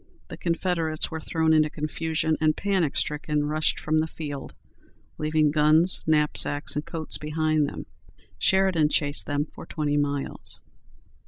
The Confederates were thrown into confusion, and, panic stricken, rushed from the field, leaving guns, knapsacks, and coats behind them. Sheridan chased them for twenty miles.